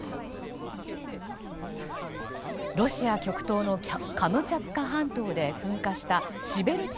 ロシア極東のカムチャツカ半島で噴火したシベルチ